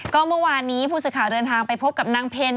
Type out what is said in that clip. ก็เมื่อวานนี้ผู้สื่อข่าวเดินทางไปพบกับนางเพล